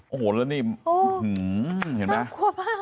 โอ้โหแล้วนี่เห็นไหม